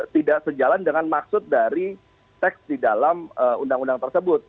tidak sejalan dengan maksud dari teks di dalam undang undang tersebut